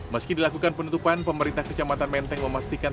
meski dilakukan penutupan pemerintah kecamatan menteng memastikan